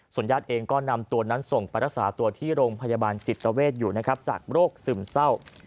ญาติเองก็นำตัวนั้นส่งไปรักษาตัวที่โรงพยาบาลจิตเวทอยู่นะครับจากโรคซึมเศร้า